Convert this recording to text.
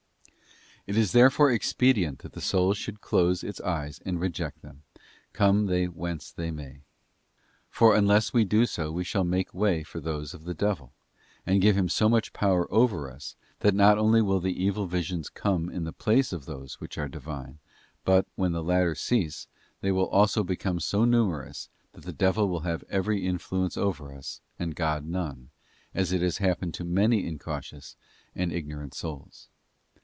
It is therefore expedient that the soul should close its eyes and reject them, come they whence they may. For unless we do so we shall make way for those of the devil, and give him so much power over us, that not only will the evil visions come in the place of those which are Divine, but, when the latter cease, they will also become so numerous, that the devil will have every influence over us, and God none, as it has happened to many incautious and ignorant souls.